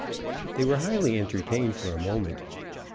They were highly entertained for a moment.